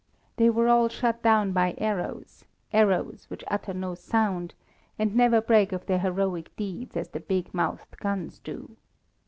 They were all shot down by arrows, arrows which utter no sound, and never brag of their heroic deeds as the big mouthed guns do.